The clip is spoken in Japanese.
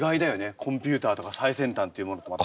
コンピューターとか最先端っていうものとまた。